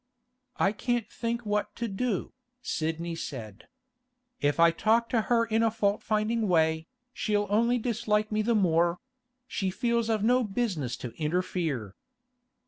'I can't think what to do,' Sidney said. 'If I talk to her in a fault finding way, she'll only dislike me the more; she feels I've no business to interfere.